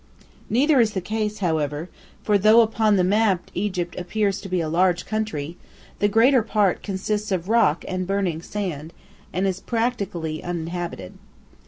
Neither is the case, however, for though upon the map Egypt appears to be a large country, the greater part consists of rock and burning sand, and is practically uninhabited.